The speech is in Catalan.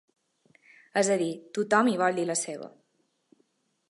És a dir: tothom hi vol dir la seva.